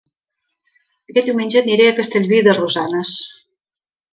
Aquest diumenge aniré a Castellví de Rosanes